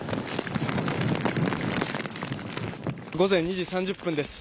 午前２時３０分です。